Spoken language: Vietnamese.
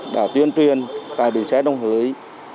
đã tuyên truyền tại đường xe đông hới